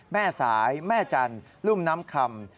แม่สายแม่จันทร์รุ่มน้ำคำ